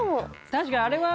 確かにあれは。